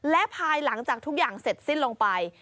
และภายหลังจากทุกอย่างเสร็จสิ้นลงไป